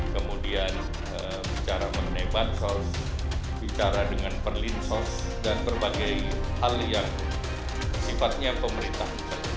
kemudian bicara mengenai bansos bicara dengan perlinsos dan berbagai hal yang sifatnya pemerintah